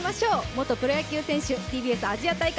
元プロ野球選手ＴＢＳアジア大会